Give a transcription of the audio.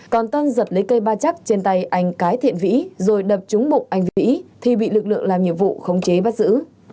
còn tân giật lấy cây ba chắc trên tay anh cái thiện vĩ rồi đập trúng bụng anh vĩ thì bị lực lượng làm nhiệm vụ khống chế bắt giữ